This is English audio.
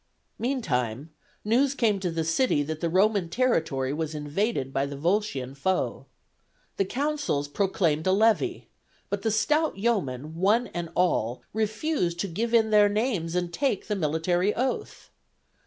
Meantime news came to the city that the Roman territory was invaded by the Volscian foe. The consuls proclaimed a levy; but the stout yeomen, one and all, refused to give in their names and take the military oath.